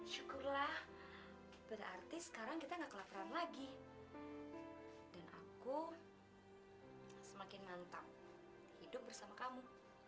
syukurlah berarti sekarang kita gak kelaparan lagi dan aku semakin mantap hidup bersama kamu